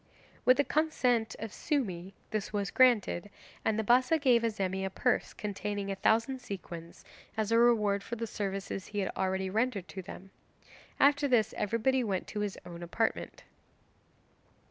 With the consent of Sumi, this was granted, and the Bassa gave Azemi a purse containing a thousand sequins, as a reward for the services he had already rendered to them. After this everybody went to his own apartment.